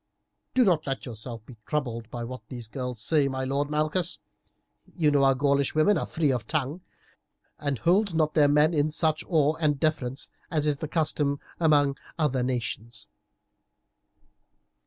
Do not let yourself be troubled by what these wild girls say, my lord Malchus; you know our Gaulish women are free of tongue, and hold not their men in such awe and deference as is the custom among other nations."